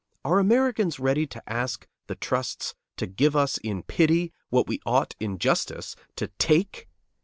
Are Americans ready to ask the trusts to give us in pity what we ought, in justice, to take?